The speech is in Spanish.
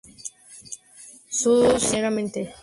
Se cita generalmente como un producto de gusto adquirido.